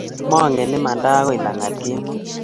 Maangen imanda agoi lagat kemoi